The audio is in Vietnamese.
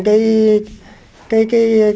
cái giấy chứng minh